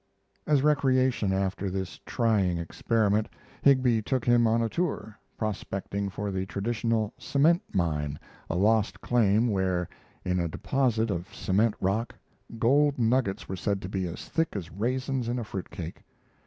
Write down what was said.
As recreation after this trying experience, Higbie took him on a tour, prospecting for the traditional "Cement Mine," a lost claim where, in a deposit of cement rock, gold nuggets were said to be as thick as raisins in a fruitcake.